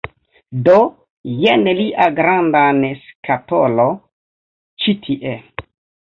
Do, jen lia grandan skatolo ĉi tie...